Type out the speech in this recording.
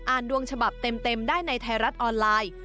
ดวงฉบับเต็มได้ในไทยรัฐออนไลน์